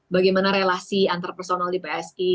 bagaimana relasi antar personal di psi